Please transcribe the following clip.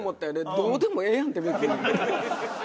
どうでもええやんって別に。